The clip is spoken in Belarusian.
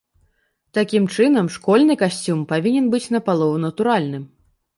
Такім чынам, школьны касцюм павінен быць напалову натуральным.